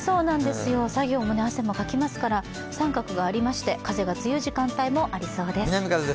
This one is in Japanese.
作業も汗もかきますから△がありまして風が強い時間帯もありそうです。